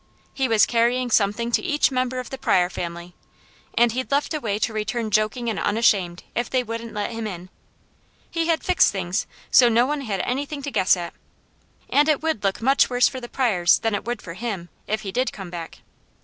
He was carrying something to each member of the Pryor family, and he'd left a way to return joking and unashamed, if they wouldn't let him in. He had fixed things so no one had anything to guess at, and it would look much worse for the Pryors than it would for him, if he did come back.